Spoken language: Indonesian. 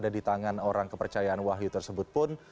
ada di tangan orang kepercayaan wahyu tersebut pun